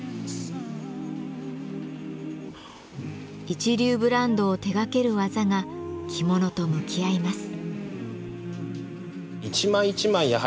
一流ブランドを手がける技が着物と向き合います。